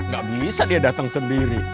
gak bisa dia datang sendiri